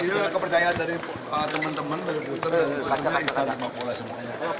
ini kepercayaan dari teman teman dari buter pak bula semuanya